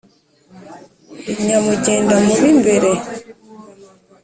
Ndi Nyamugendamubimbere,